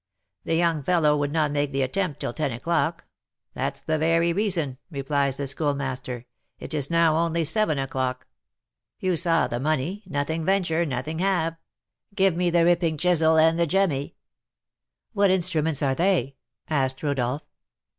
The young fellow would not make the attempt till ten o'clock.' 'That's the very reason,' replies the Schoolmaster; 'it is now only seven o'clock. You saw the money, nothing venture, nothing have. Give me the ripping chisel and the jemmy '" "What instruments are they?" asked Rodolph.